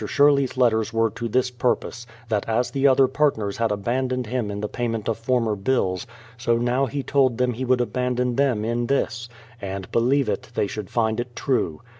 Sherley's letters were to this purpose: that as the other partners had abandoned him in the pay ment of former bills, so now he told them he would abandon them in this; and, believe it, they should find it true.